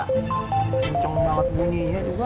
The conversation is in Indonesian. kacung banget bunyinya juga